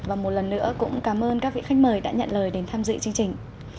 và một lần nữa cũng cảm ơn các vị khách mời đã nhận lời đến tham dự chương trình